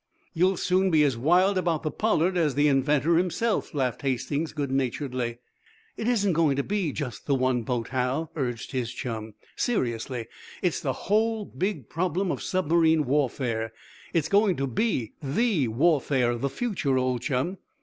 "You'll soon be as wild about the 'Pollard' as the inventor himself," laughed Hastings, good naturedly. "It isn't going to be just the one boat, Hal," urged his chum, seriously. "It's the whole big problem of submarine warfare. It's going to be the warfare of the future, old chum!